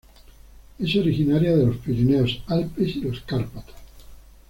Es originaria de los Pirineos, Alpes y los Cárpatos.